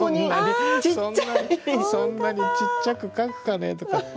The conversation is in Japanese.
そんなにちっちゃく描くかねとか。